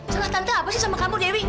celah tante apa sih sama kamu dewi